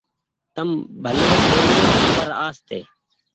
تم ڀلي ٻولو پر آستي۔